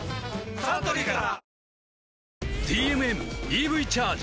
サントリーから！